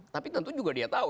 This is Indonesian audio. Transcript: tapi tentu juga dia tahu